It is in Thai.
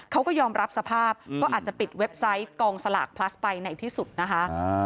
เขาก็ยอมรับสภาพก็อาจจะปิดเว็บไซต์กองสลากพลัสไปไหนที่สุดนะคะ